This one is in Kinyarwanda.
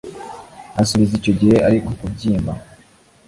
asubiza icyo gihe ariko kubyimba